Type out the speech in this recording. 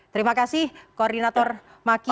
terima kasih koordinator maki